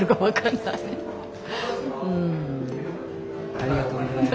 ありがとうございます。